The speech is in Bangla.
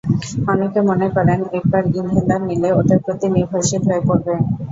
অনেকে মনে করেন, একবার ইনহেলার নিলে ওটার প্রতি নির্ভরশীল হয়ে পড়বে।